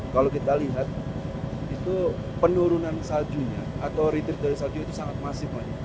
kalau kita lihat itu penurunan saljunya atau retret dari salju itu sangat masif